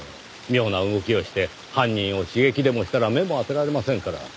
妙な動きをして犯人を刺激でもしたら目も当てられませんから。